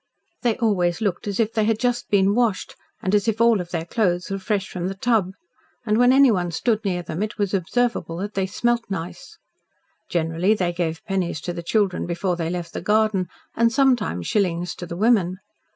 They always looked as if they had just been washed, and as if all of their clothes were fresh from the tub, and when anyone stood near them it was observable that they smelt nice. Generally they gave pennies to the children before they left the garden, and sometimes shillings to the women.